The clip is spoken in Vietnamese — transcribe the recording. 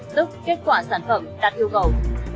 tức kết quả sản phẩm đạt yêu cầu